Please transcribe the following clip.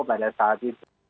pada saat itu